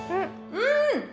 うん。